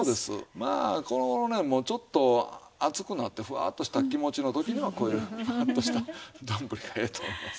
まあこの頃ねもうちょっと暑くなってふわっとした気持ちの時にはこういうふわっとしたどんぶりがええと思います。